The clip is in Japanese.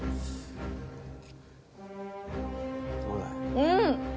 うん！